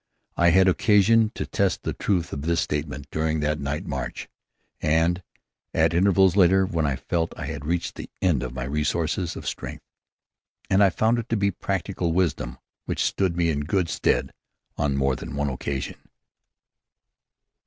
I had occasion to test the truth of this statement during that night march, and at intervals later, when I felt that I had reached the end of my resources of strength. And I found it to be practical wisdom which stood me in good stead on more than one occasion.